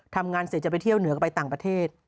ทำงานเสร็จจะไปเที่ยวเหนือก็ไปต่างประเทศ